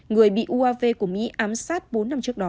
người bị uav của mỹ ám sát bốn năm trước đó